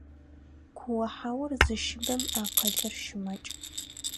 Куохьаур зыщыбэм акъылыр щымакӏ.